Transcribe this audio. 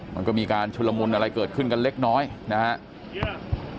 มันก็มีการชุลมุนอะไรเกิดขึ้นกันเล็กน้อยนะครับ